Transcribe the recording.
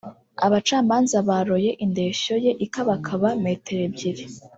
Abacamanza baroye indeshyo ye ikabakaba metero ebyiri